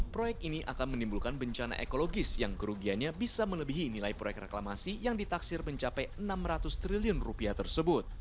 proyek ini akan menimbulkan bencana ekologis yang kerugiannya bisa melebihi nilai proyek reklamasi yang ditaksir mencapai enam ratus triliun rupiah tersebut